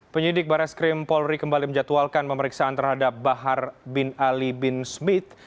penyidik bares krim polri kembali menjatuhalkan pemeriksaan terhadap bahar bin ali bin smith